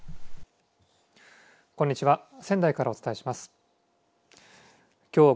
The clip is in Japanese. こんにちは。